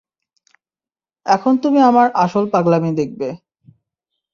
এখন তুমি আমার আসল পাগলামি দেখবে।